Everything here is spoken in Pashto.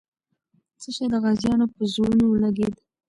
څه شی د غازیانو په زړونو ولګېد؟